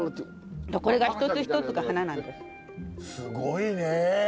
すごいね。